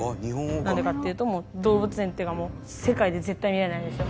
なんでかっていうと動物園っていうかもう世界で絶対に見られないんですよ